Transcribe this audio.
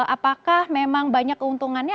apakah memang banyak keuntungannya